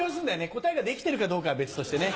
答えができてるかどうかは別としてね。